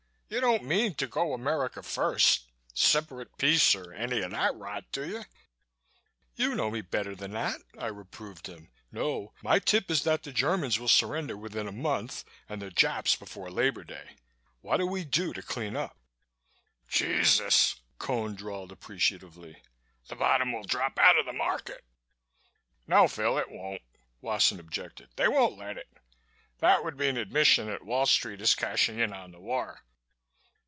You don't mean to go America First, separate peace or any of that rot, do you?" "You know me better than that," I reproved him. "No. My tip is that the Germans will surrender within a month and the Japs before Labor Day. What do we do to clean up?" "Je sus!" Cone drawled appreciatively. "The bottom will drop out of the market!" "No, Phil it won't," Wasson objected. "They won't let it. That would be an admission that Wall Street is cashing in on the war."